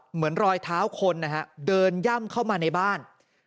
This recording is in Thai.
เหมือนรอยเท้าคนนะฮะเดินย่ำเข้ามาในบ้าน